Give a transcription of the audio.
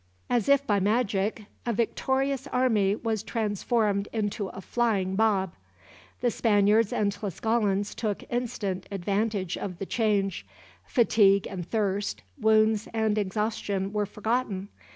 As if by magic, a victorious army was transformed into a flying mob. The Spaniards and Tlascalans took instant advantage of the change. Fatigue and thirst, wounds and exhaustion were forgotten.